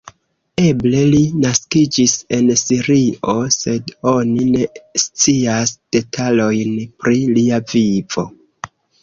Eble li naskiĝis en Sirio, sed oni ne scias detalojn pri lia vivo.